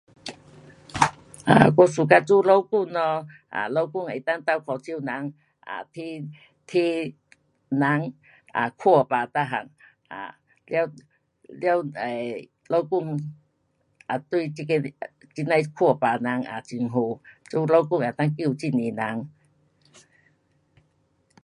我 suka 做医生咯，um 医生能够倒脚手人 um 去替人看病每样。um 了，了，um 医生也对这个，这样看病人很好。做医生能够救很多人。